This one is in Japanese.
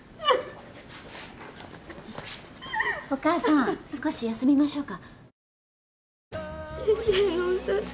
お母さん少し休みましょうか。